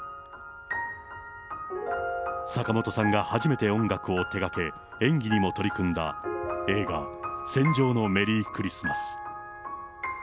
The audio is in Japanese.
坂本さんが初めて音楽を手がけ、演技にも取り組んだ映画、戦場のメリークリスマス。